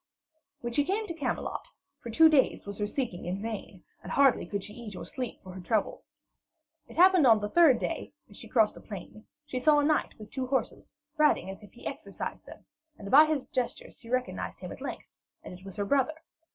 When she came to Camelot, for two days was her seeking in vain, and hardly could she eat or sleep for her trouble. It happened that on the third day, as she crossed a plain, she saw a knight with two horses, riding as if he exercised them; and by his gestures she recognised him at length, and it was her brother.